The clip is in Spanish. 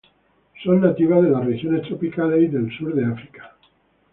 Son nativas de las regiones tropicales y el sur de África.